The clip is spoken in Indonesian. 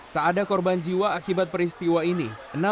tak ada korban jiwa akibat peristiwa ini